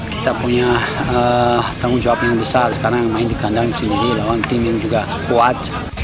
kita punya tanggung jawab yang besar sekarang main di kandang sendiri lawan tim yang juga kuat